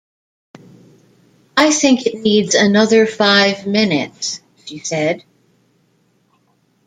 "I think it needs another five minutes," she said.